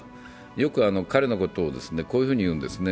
よく彼のことをこういうふうに言うんですね。